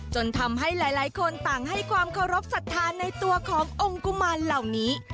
จนทำให้หลายคนต่างให้ความเคารพสัทธาในตัวขององค์กุมารเหล่านี้